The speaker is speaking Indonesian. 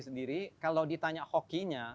sendiri kalau ditanya hokinya